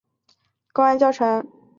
公共治安的课程。